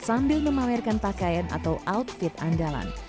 sambil memamerkan pakaian atau outfit andalan